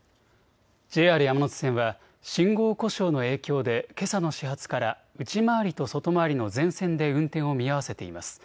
ＪＲ山手線は信号故障の影響でけさの始発から内回りと外回りの全線で運転を見合わせています。